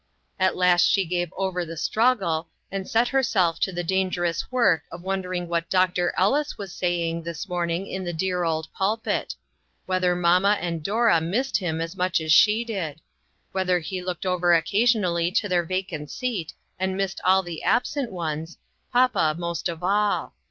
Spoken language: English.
At last she gave over the struggle, and set herself to the dangerous work of wondering what Doctor Ellis was saying this morning in the dear old pulpit ; whether mamma and Dora missed him as much as she did ; whether he looked over occasion ally to their vacant seat and missed all the absent ones, papa most of all.